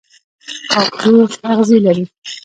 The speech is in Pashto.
کاکتوس اغزي لري